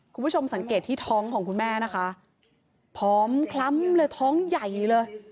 คุณผู้ชมสังเกตที่ท้องของคุณแม่นะคะผอมคล้ำเลยท้องใหญ่เลย